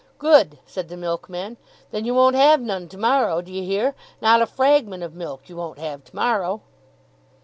'Good,' said the milkman. 'Then you won't have none tomorrow. D'ye hear? Not a fragment of milk you won't have tomorrow.